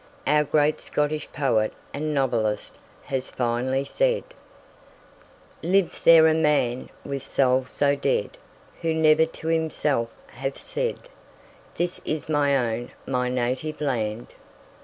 Our great Scottish poet and novelist has finely said: "Lives there a man with soul so dead, Who never to himself hath said This is my own, my native land?"